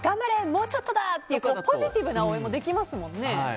もうちょっとだ！ってポジティブな応援もできますもんね。